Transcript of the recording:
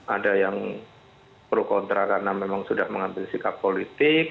ada yang pro kontra karena memang sudah mengambil sikap politik